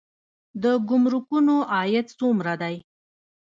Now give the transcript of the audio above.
د ګمرکونو عاید څومره دی؟